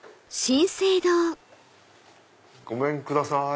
ごめんください。